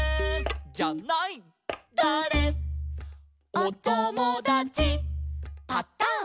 「おともだちパタン」